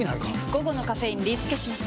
午後のカフェインリスケします！